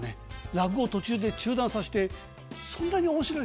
「落語を途中で中断させてそんなに面白いかい？」